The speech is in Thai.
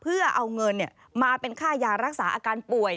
เพื่อเอาเงินมาเป็นค่ายารักษาอาการป่วย